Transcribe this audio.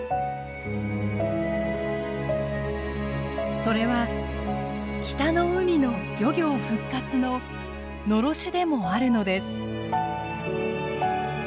それは北の海の漁業復活ののろしでもあるのです。